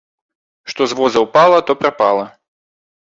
Што з воза ўпала, то прапала!